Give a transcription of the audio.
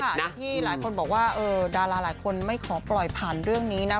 อย่างที่หลายคนบอกว่าดาราหลายคนไม่ขอปล่อยผ่านเรื่องนี้นะ